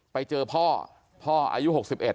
ไปเจอพ่อพ่ออายุ๖๑